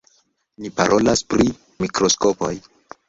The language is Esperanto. Ni parolas pri mikroskopoj.